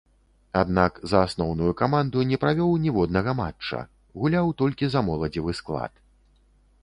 Аднак, за асноўную каманду не правёў ніводнага матча, гуляў толькі за моладзевы склад.